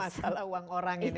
masalah uang orang ini